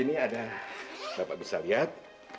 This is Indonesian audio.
ini ada bapak bisa lihat